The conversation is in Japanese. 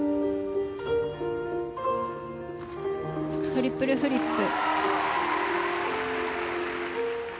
トリプルフリップ。